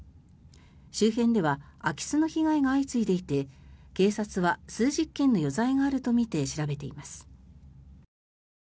周辺では空き巣の被害が相次いでいて警察は数十件の余罪があるとみて調べています。